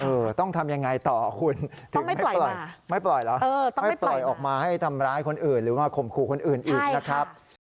เออต้องทำยังไงต่อคุณถึงไม่ปล่อยออกมาให้ทำร้ายคนอื่นหรือว่าข่มครูคนอื่นอีกนะครับ